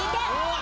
あ！